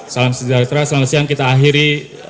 salam sejahtera selamat siang kita akhiri